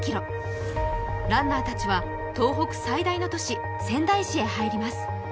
ランナーたちは東北最大の都市・仙台市へ入ります。